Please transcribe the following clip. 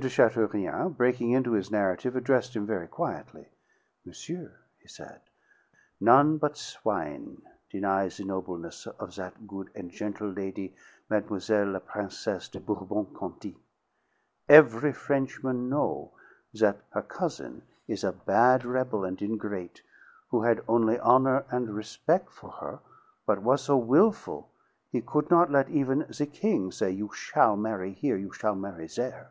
de Chateaurien, breaking into his narrative, addressed him very quietly. "Monsieur," he said, "none but swine deny the nobleness of that good and gentle lady, Mademoiselle la Princesse de Bourbon Conti. Every Frenchman know' that her cousin is a bad rebel and ingrate, who had only honor and rispec' for her, but was so wilful he could not let even the king say, 'You shall marry here, you shall marry there.'